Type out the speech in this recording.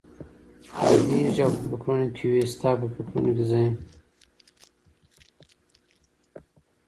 بېدېږي او په فکرونو کې وي، ستا په فکرونو کې زه یم؟